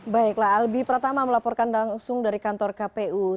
baiklah albi pertama melaporkan langsung dari kantor kpu terima kasih